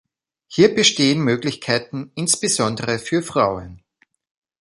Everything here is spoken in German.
Hier bestehen Möglichkeiten, insbesondere für Frauen.